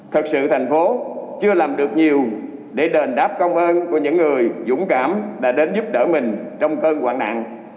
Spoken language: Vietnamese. thật sự thành phố chưa làm được nhiều để đền đáp công ơn của những người dũng cảm đã đến giúp đỡ mình trong cơn hoạn nạn